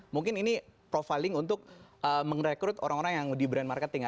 mungkin ini profiling untuk merekrut orang orang yang di brand marketing